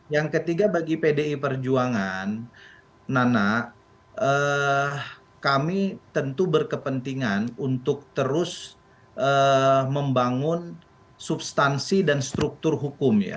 yang ketiga bagi pdi perjuangan nana kami tentu berkepentingan untuk terus membangun substansi dan struktur hukum ya